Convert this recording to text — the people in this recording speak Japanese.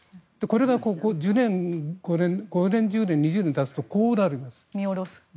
これが５年、１０年、２０年たつとこうなります。